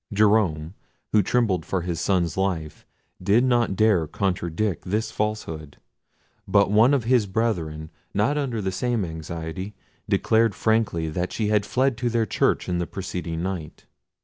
Jerome, who trembled for his son's life, did not dare contradict this falsehood, but one of his brethren, not under the same anxiety, declared frankly that she had fled to their church in the preceding night.